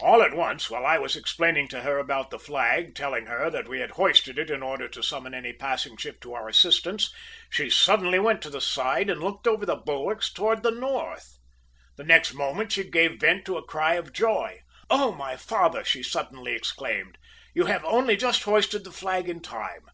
"All at once, while I was explaining to her about the flag, telling her that we had hoisted it in order to summon any passing ship to our assistance, she suddenly went to the side and looked over the bulwarks towards the north. "The next moment she gave vent to a cry of joy. "`Oh, my father,' she suddenly exclaimed. `You have only just hoisted the flag in time.